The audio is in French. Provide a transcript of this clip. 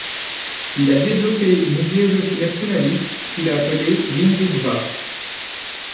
Il a développé une idéologie nationaliste qu'il a appelé l'Hindutva.